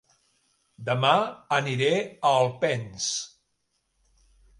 Dema aniré a Alpens